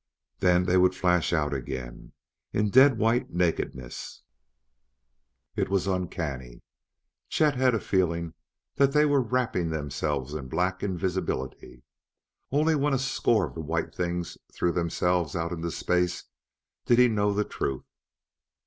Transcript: Then they would flash out again in dead white nakedness. It was uncanny. Chet had a feeling that they were wrapping themselves in black invisibility. Only when a score of the white things threw themselves out into space did he know the truth.